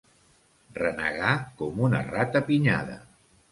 Renegar com una ratapinyada.